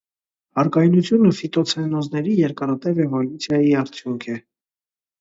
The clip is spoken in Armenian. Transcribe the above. Հարկայնությունը ֆիտոցենոզների երկարատև էվոլյուցիայի արդյունք է։